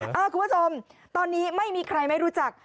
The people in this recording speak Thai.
คุณผู้ชมตอนนี้ไม่มีใครไม่รู้จัก